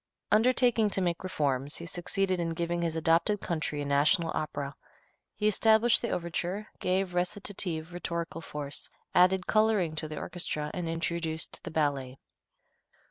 Undertaking to make reforms, he succeeded in giving his adopted country a national opera. He established the overture, gave recitative rhetorical force, added coloring to the orchestra, and introduced the ballet.